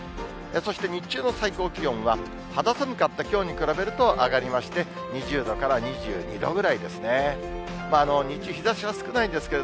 そして日中の最高気温は、肌寒かったきょうに比べると上がりまして、２０度から２２度ぐらいですね。